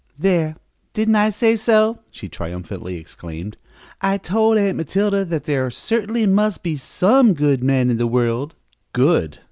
"There, didn't I say so!" she triumphantly exclaimed. "I told Aunt Matilda that there certainly must be some good men in the world!" Good!